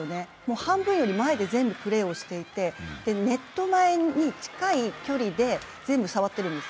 半分より前で全部プレーをしていて、ネット前に近い距離で全部触っているんです。